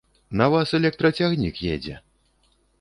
На вас электрацягнік едзе.